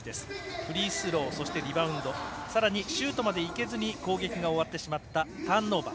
フリースロー、リバウンドシュートまでいけずに攻撃が終わってしまったターンオーバー。